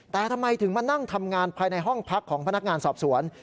แต่ทำไมถึงมานั่งทำงานภายในห้องพักของพนักงานสอบสวน